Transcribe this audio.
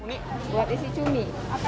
ini buat isi cumi